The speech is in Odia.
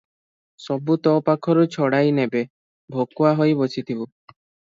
ସବୁ ତୋ ପାଖରୁ ଛଡ଼ାଇ ନେବେ, ଭକୁଆ ହୋଇ ବସିଥିବୁ ।